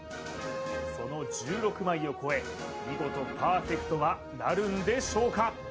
その１６枚を超え見事パーフェクトはなるんでしょうか？